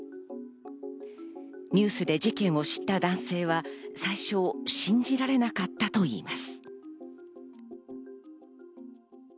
ニュースで事件を知った男性は最初、信じられなかったといいます。